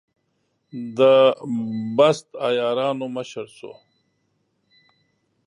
د بست د عیارانو مشر شو.